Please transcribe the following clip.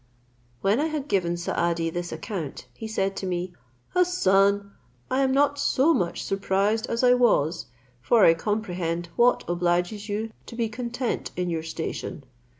When I had given Saadi this account, he said to me, "Hassan, I am not so much surprised as I was, for I comprehend what obliges you to be content in your station.